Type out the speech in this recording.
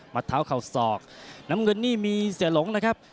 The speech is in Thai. เท้าเข่าศอกน้ำเงินนี่มีเสียหลงนะครับ